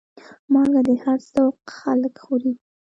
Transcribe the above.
مالګه د هر ذوق خلک خوري.